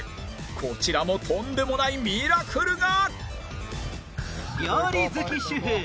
こちらもとんでもないミラクルが！